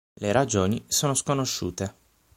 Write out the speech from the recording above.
Le ragioni sono sconosciute.